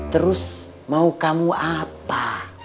terus mau kamu apa